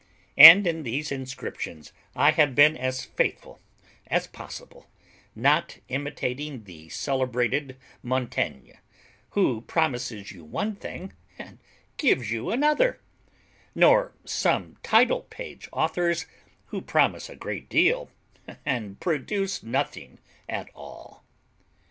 And in these inscriptions I have been as faithful as possible, not imitating the celebrated Montaigne, who promises you one thing and gives you another; nor some title page authors, who promise a great deal and produce nothing at all.